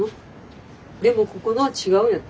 でもここのは違うんやて。